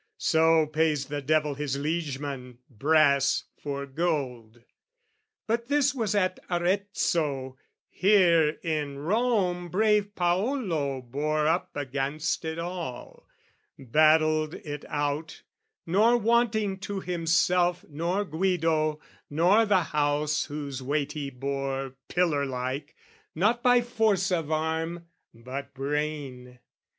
So pays the devil his liegeman, brass for gold. But this was at Arezzo: here in Rome Brave Paolo bore up against it all Battled it out, nor wanting to himself Nor Guido nor the House whose weight he bore Pillar like, not by force of arm but brain.